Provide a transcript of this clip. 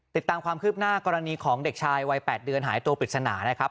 ติดตามความคืบหน้ากรณีของเด็กชายวัย๘เดือนหายตัวปริศนานะครับ